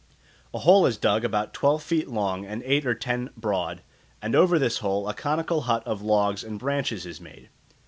A hole is dug about twelve feet long and eight or ten broad, and over this hole a conical hut of logs and branches is made.